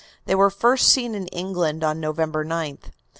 They were first seen in England on November 9th.